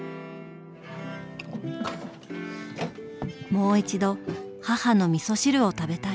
もう一度母のみそ汁を食べたい。